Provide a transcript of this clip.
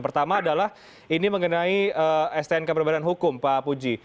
pertama adalah ini mengenai stn keperbadanan hukum pak apuji